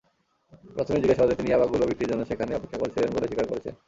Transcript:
প্রাথমিক জিজ্ঞাসাবাদে তিনি ইয়াবাগুলো বিক্রির জন্য সেখানে অপেক্ষা করছিলেন বলে স্বীকার করেছেন।